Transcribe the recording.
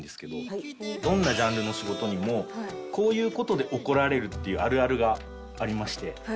どんなジャンルの仕事にもこういう事で怒られるっていうあるあるがありまして。